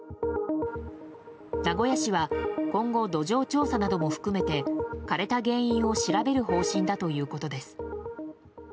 名古屋市は今後、土壌調査なども含めて枯れた原因を調べる方針だということです。